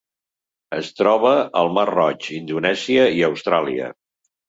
Es troba al Mar Roig, Indonèsia i Austràlia.